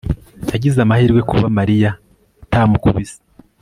yagize amahirwe kuba mariya atamukubise